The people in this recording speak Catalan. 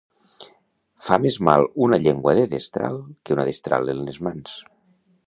Fa més mal una llengua de destral, que una destral en les mans.